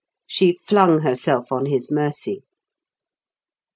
She flung herself on his mercy.